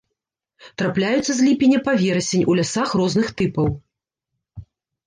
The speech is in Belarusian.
Трапляюцца з ліпеня па верасень у лясах розных тыпаў.